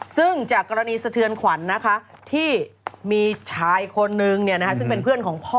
ซึ่งจากกรณีสะเทือนขวัญนะคะที่มีชายคนนึงซึ่งเป็นเพื่อนของพ่อ